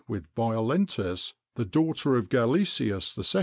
with Violentis, the daughter of Galeasius II.